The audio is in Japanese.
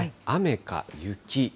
雨か雪。